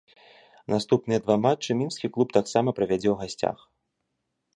Наступныя два матчы мінскі клуб таксама правядзе ў гасцях.